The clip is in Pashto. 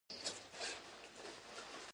دا خلک د مکتب او مطالعې خوښوونکي وي.